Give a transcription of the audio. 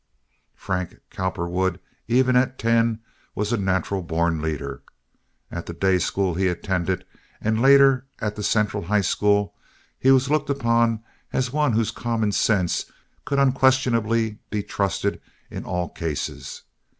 Frank Cowperwood, even at ten, was a natural born leader. At the day school he attended, and later at the Central High School, he was looked upon as one whose common sense could unquestionably be trusted in all cases.